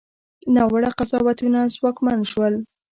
ناوړه قضاوتونه ځواکمن شول.